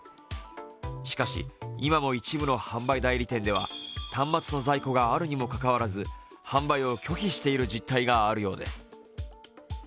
しかし、今も一部の販売代理店では端末の在庫があるにもかかわらず、販売を拒否している実態があるようです。